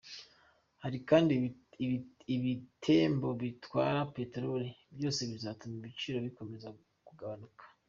Hari kandi ibitembo bitwara Petelori, byose bizatuma ibiciro bikomeza kugabanyuka.